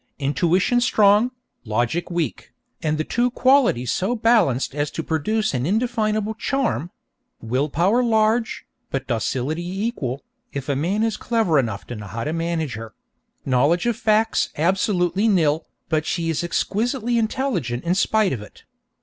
Intuition strong, logic weak, and the two qualities so balanced as to produce an indefinable charm; will power large, but docility equal, if a man is clever enough to know how to manage her; knowledge of facts absolutely nil, but she is exquisitely intelligent in spite of it.